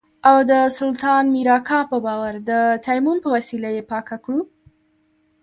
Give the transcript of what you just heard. او د سلطان مير اکا په باور د تيمم په وسيله يې پاکه کړو.